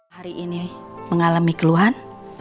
hari ini mengalami keluhan